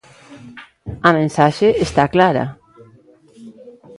A mensaxe está clara.